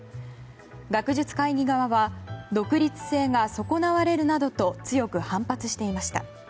学術会議側は独立性が損なわれるなどと強く反発していました。